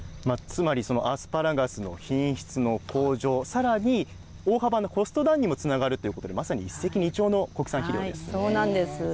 つまり、アスパラガスの品質の向上、さらに、大幅なコストダウンにもつながるということで、そうなんです。